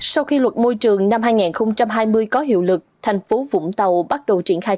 sau khi luật môi trường năm hai nghìn hai mươi có hiệu lực thành phố vũng tàu bắt đầu triển khai